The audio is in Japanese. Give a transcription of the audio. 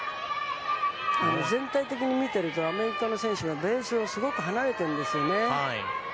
全体的に見ているとアメリカの選手はベースからすごく離れてるんですよね。